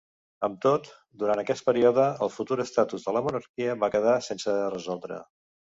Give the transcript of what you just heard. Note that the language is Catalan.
Amb tot, durant aquest període el futur estatus de la monarquia va quedar sense resoldre.